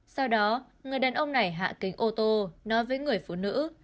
sau đó người đàn ông này hạ kính ô tô nói với người phụ nữ